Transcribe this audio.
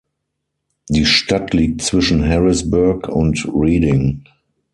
Die Stadt liegt zwischen Harrisburg und Reading.